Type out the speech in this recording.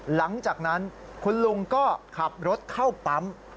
หลังจากนั้นคุณลุงก็ขับรถเข้าปั๊ม